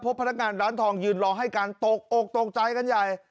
พนักงานร้านทองยืนรอให้การตกอกตกใจกันใหญ่